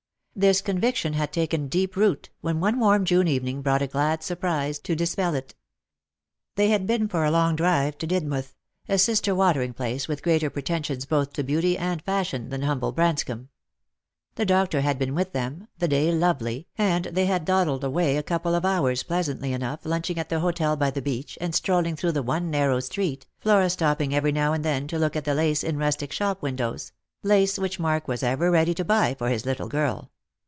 This conviction had taken deep root, when one warm June evening brought a glad surprise to dispel it. They had been for a long drive to Didmouth — a sister watering place, with greater pretensions both to beauty and fashion than humble Branscomb. The doctor had been with them, the day lovely, and they had dawdled away a couple of hours pleasantly enough, lunching at the hotel by the beach, and strolling through the one narrow street, Flora stopping every now and then to look at the lace 126 jjost jor ijove. in rustic shop windows — lace which Mark was ever ready to buy for his little girl.